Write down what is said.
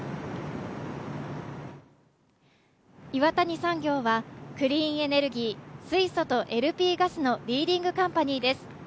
岩谷産業はクリーンエネルギー、水素とＬＰガスのリーディングカンパニーです。